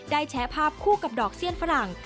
แชร์ภาพคู่กับดอกเสี้ยนฝรั่ง